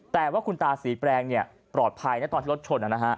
แต่ว่าคุณตาศรีแปลงปลอดภัยนะตอนที่รถชน